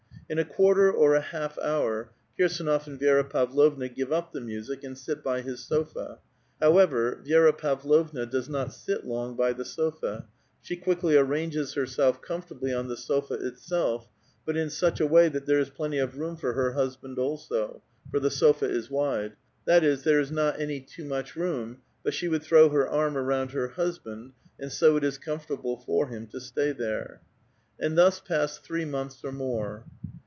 In a quarter or a halt' hour, Kirsdnof and Vi^ra Pavlovna give up the music, and sit by his sofa ; however, Vi^ra Pavlovna does not sit long by the sofa ; she quickly arranges herself comlbrtiibly on the sofa itself, but in sucii a way that there is plenty of room for her husband also; for the sofa is wide ; that is, there is not any too much room, but she would throw her arm around her husband, and so it is comfortable for him to stay there. And thus passed three months or more.